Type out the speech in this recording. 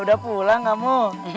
udah pulang kamu